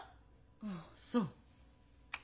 ああそう。